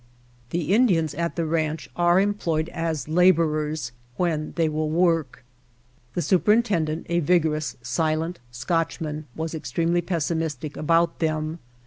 [■19] White Heart of Mojave The Indians at the ranch are employed as laborers, when they will work. The superin tendent, a vigorous, silent Scotchman, was ex tremely pessimistic about them.